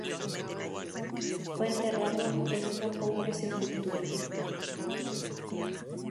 Fue enterrado en una pobre sepultura.